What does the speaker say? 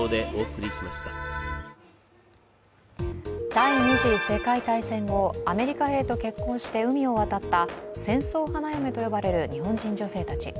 第二次世界大戦後、アメリカ兵と結婚して海を渡った戦争花嫁と呼ばれる日本人女性たち。